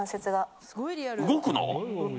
動くの？